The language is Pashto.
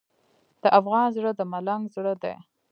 د افغان زړه د ملنګ زړه دی.